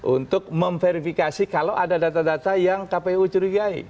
untuk memverifikasi kalau ada data data yang kpu curigai